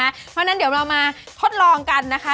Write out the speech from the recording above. เพราะฉะนั้นเดี๋ยวเรามาทดลองกันนะคะ